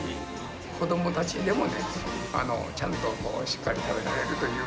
子どもたちでも、ちゃんとしっかり食べられるという。